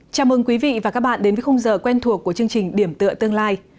chào mừng quý vị và các bạn đến với khung giờ quen thuộc của chương trình điểm tựa tương lai